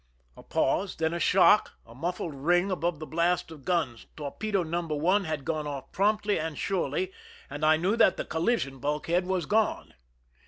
A pause, then a shock, a mufl9.ed ring above the blast of guns : torpedo No. 1 had gone off promptly and surely, and I knew that the collision bulkhead was gone.